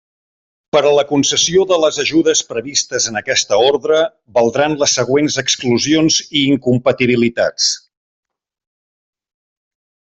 Per a la concessió de les ajudes previstes en aquesta ordre, valdran les següents exclusions i incompatibilitats.